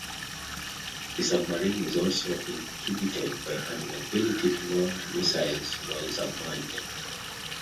The submarine is also inhibited by an inability to launch missiles while submerged.